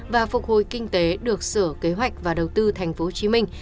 và phục hồi kinh tế được sở kế hoạch và đầu tư thành phố hồ chí minh